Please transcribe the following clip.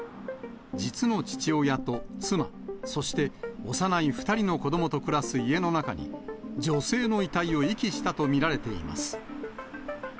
実の父親と妻、そして幼い２人の子どもと暮らす家の中に、女性の遺体を遺棄したと見られています。